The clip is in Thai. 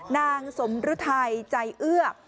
นางสมฤทัยใจเอื้อ